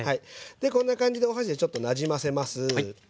こんな感じでお箸でちょっとなじませます。